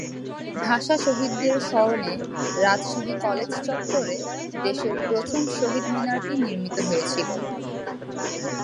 ভাষা শহীদদের স্মরণে রাজশাহী কলেজ চত্বরে দেশের প্রথম শহীদ মিনারটি নির্মিত হয়েছিল।